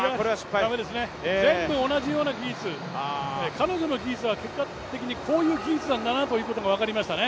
駄目ですね、全部同じような技術、彼女の技術は結果的にこういう技術なんだなということが分かりましたね。